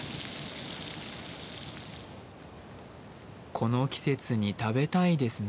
この季節に食べたいですね。